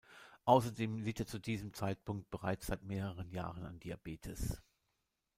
Außerdem litt er zu diesem Zeitpunkt bereits seit mehreren Jahren an Diabetes.